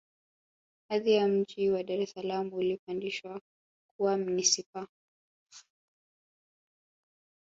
hadhi ya mji wa dar es salaam ulipandishwa kuwa manispaa